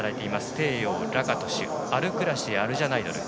ペーヨー、ラカトシュアルクラシ、アルジャナイドル。